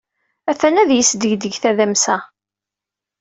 A-t-an ad yesdegdeg tadamsa.